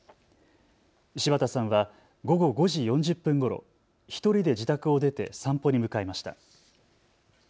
柴田さんは午後５時４０分ごろ１人で自宅を出て散歩に向かいました。